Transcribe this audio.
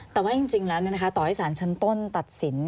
ตอนนั้นนะคะต่อให้สารชั้นต้นตัดสิน